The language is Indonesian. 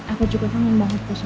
aku juga kangen banget bersama